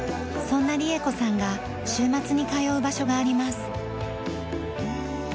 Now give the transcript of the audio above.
そんな理恵子さんが週末に通う場所があります。